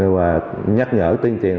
và nhắc nhở tuyên truyền